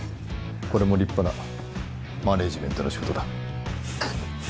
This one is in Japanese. これも立派なマネジメントの仕事だ